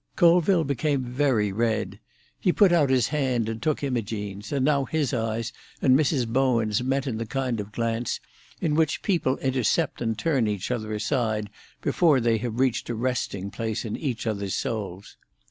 Colville became very red. He put out his hand and took Imogene's, and now his eyes and Mrs. Bowen's met in the kind of glance in which people intercept and turn each other aside before they have reached a resting place in each other's souls.